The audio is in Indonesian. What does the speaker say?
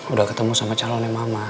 udah ketemu sama calonnya mama